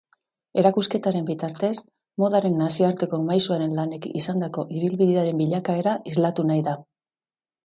Erakusketaren bitartez modaren nazioarteko maisuaren lanek izandako ibilbidearen bilakaera islatu nahi da.